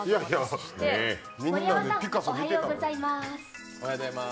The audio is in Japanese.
盛山さん、おはようございまーす。